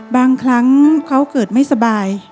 บางครั้งเขาเกิดไม่สบาย